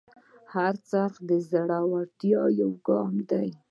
هر خرڅ د زړورتیا یو ګام دی.